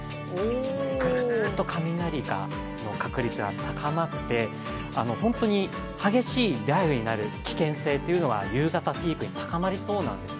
ぐーっと雷の確率が高まってホントに激しい雷雨になる危険性が夕方をピークに高まりそうなんです。